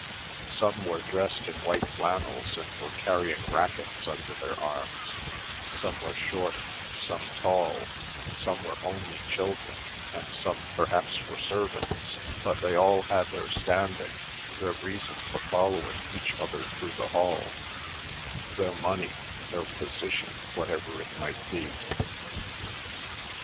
Some were dressed in white flannels and were carrying racquets under their arms, some were short, some tall, some were only children, and some perhaps were servants, but they all had their standing, their reason for following each other through the hall, their money, their position, whatever it might be.